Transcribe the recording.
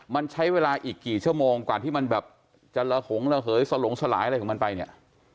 มันใช้เวลาอีกกี่ชั่วโมงกว่าที่มันแบบจะระหงระเหยสลงสลายอะไรของมันไปเนี่ย